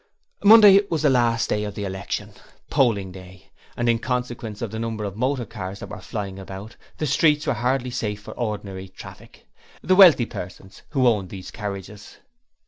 Monday was the last day of the election polling day and in consequence of the number of motor cars that were flying about, the streets were hardly safe for ordinary traffic. The wealthy persons who owned these carriages...